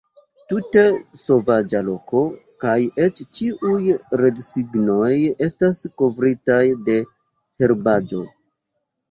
Tute sovaĝa loko, kaj eĉ ĉiuj radsignoj estas kovritaj de herbaĵo!